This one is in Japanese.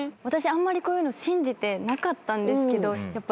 あんまりこういうの信じてなかったんですけどやっぱいるのかなって。